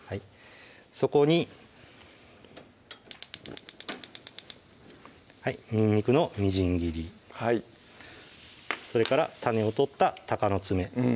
そこににんにくのみじん切りはいそれから種を取ったたかのつめうん